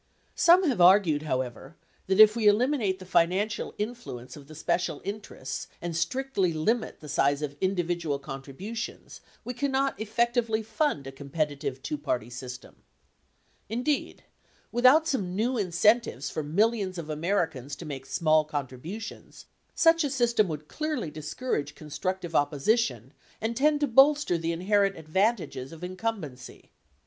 Some have argued, however, that if we eliminate the financial in fluence of the special interests and strictly limit the size of individual contributions, we cannot effectively fund a competitive two party sys tem. Indeed, without some new incentives for millions of Americans to make small contributions, such a system would clearly discourage constructive opposition and tend to bolster the inherent advantages of incumbency.